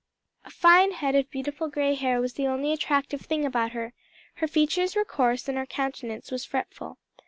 A fine head of beautiful grey hair was the only attractive thing about her, her features were coarse and her countenance was fretful.